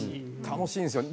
楽しいんですよ。